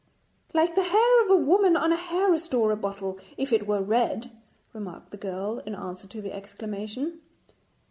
'Like the hair of a woman on a hair restorer bottle, if it were red,' remarked the girl in answer to the exclamation.